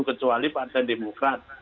kecuali partai demokrat